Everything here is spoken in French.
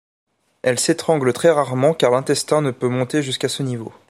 Elle s'étrangle très rarement car l'intestin ne peut monter jusqu'à ce niveau.